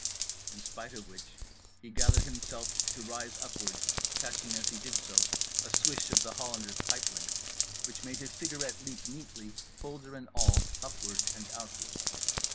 In spite of which he gathered himself to rise upward, catching as he did so a swish of The Hollander's pipe length which made his cigarette leap neatly, holder and all, upward and outward.